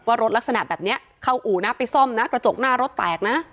รถลักษณะแบบนี้เข้าอู่นะไปซ่อมนะกระจกหน้ารถแตกนะ